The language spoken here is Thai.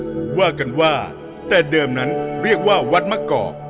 ผมว่ากันว่าแต่เดิมนั้นเรียกว่าวัดมะกอก